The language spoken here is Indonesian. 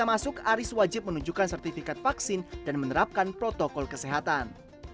yang masuk aris wajib menunjukkan sertifikat vaksin dan menerapkan protokol kesehatan